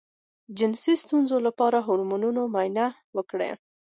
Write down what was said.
د جنسي ستونزې لپاره د هورمونونو معاینه وکړئ